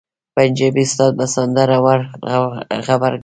پنجابي استاد به سندره ور غبرګه کړي.